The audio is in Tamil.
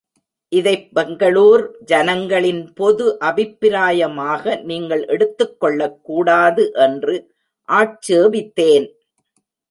இதைப் பெங்களூர் ஜனங் களின் பொது அபிப்பிராயமாக நீங்கள் எடுத்துக் கொள்ளக் கூடாது என்று ஆட்சேபித்தேன்.